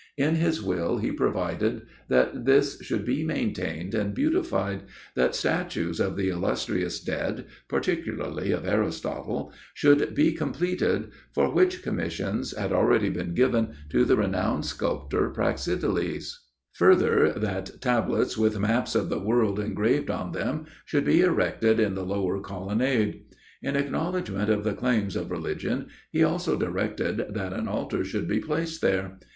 In his will he provided that this should be maintained and beautified, that statues of the illustrious dead (particularly of Aristotle) should be completed, for which commissions had already been given to the renowned sculptor Praxiteles; further, that tablets with maps of the world engraved on them should be erected in the lower colonnade. In acknowledgment of the claims of religion, he also directed that an altar should be placed there.